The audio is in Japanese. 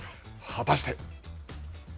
果たして！